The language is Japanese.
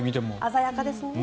鮮やかですね。